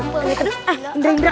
eh indra indra